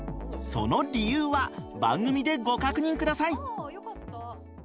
その理由は番組でご確認ください。